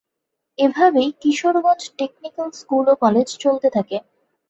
এভাবেই Kishoreganj technical school ও college চলতে থাকে।